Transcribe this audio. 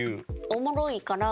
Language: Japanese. おもろいから。